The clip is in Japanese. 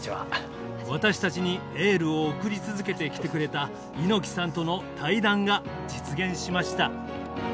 私たちにエールを送り続けてきてくれた猪木さんとの対談が実現しました。